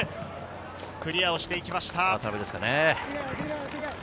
クリアしていきました。